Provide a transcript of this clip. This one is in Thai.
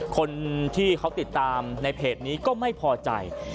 คนที่เขาติดตามในเพจนี้ก็ไม่พอใจ